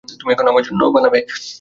তুমি এখন আমার জন্য বানাবে!